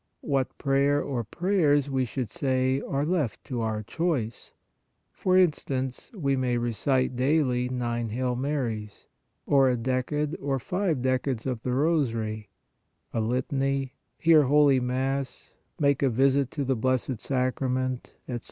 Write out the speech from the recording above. What prayer or prayers we should say are left to our choice; for instance, we may recite daily nine Hail Marys, or a decade or five decades of the rosary, a litany, hear holy Mass, make a visit to the Blessed Sacrament, etc.